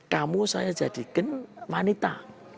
kamu saya jadikan manita